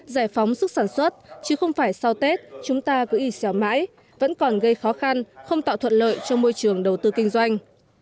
giải phóng sức sản xuất chứ không phải sau tết chúng ta cứ y xèo mãi vẫn còn gây khó khăn không tạo thuận lợi cho môi trường đầu tư kinh doanh